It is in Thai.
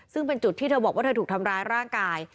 ซึ่งเป็นจุดที่เธอบอกว่าเธอถูกทำร้ายร่างกาย